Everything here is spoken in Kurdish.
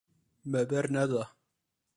Me berneda.